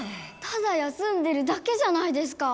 ただ休んでるだけじゃないですか！